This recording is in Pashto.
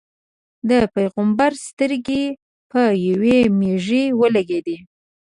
د پېغمبر سترګې په یوې مېږې ولګېدې.